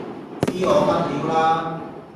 知我乜料啦